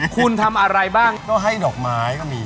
คุณทำอะไรบ้างก็ให้ดอกไม้ก็มี